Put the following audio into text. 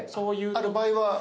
ある場合は。